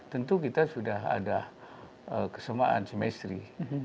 tentu kita sudah ada kesamaan semester